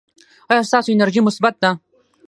ایا ستاسو انرژي مثبت ده؟